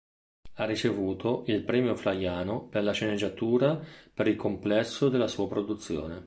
Ha ricevuto il Premio Flaiano per la sceneggiatura per il complesso della sua produzione.